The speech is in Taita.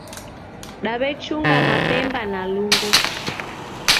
Daw'echunga mapemba na lungo